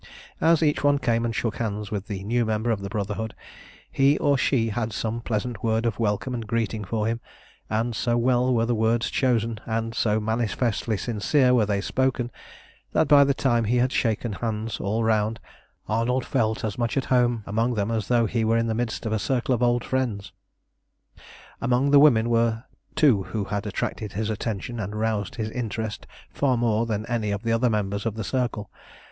As each one came and shook hands with the new member of the Brotherhood, he or she had some pleasant word of welcome and greeting for him; and so well were the words chosen, and so manifestly sincerely were they spoken, that by the time he had shaken hands all round Arnold felt as much at home among them as though he were in the midst of a circle of old friends. Among the women there were two who had attracted his attention and roused his interest far more than any of the other members of the Circle.